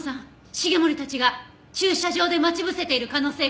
繁森たちが駐車場で待ち伏せている可能性があるわ。